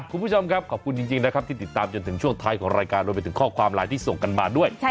คุณผู้ชมครับขอบคุณจริงนะครับที่ติดตามจนถึงช่วงท้ายของรายการรวมไปถึงข้อความไลน์ที่ส่งกันมาด้วย